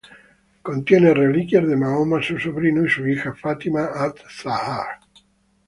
Contiene reliquias de Mahoma, su sobrino, y su hija, Fatima az-Zahra.